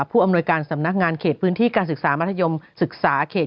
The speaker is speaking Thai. อำนวยการสำนักงานเขตพื้นที่การศึกษามัธยมศึกษาเขต